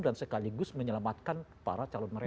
dan sekaligus menyelamatkan para calon mereka